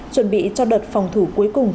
chuẩn bị cho đợt phòng thủ cuối cùng